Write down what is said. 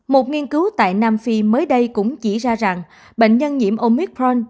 một nghiên cứu tại nam phi mới đây cũng chỉ ra rằng bệnh nhân nhiễm omicron